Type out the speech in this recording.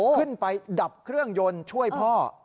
ขึ้นไปดับเครื่องยนต์ช่วยพ่อ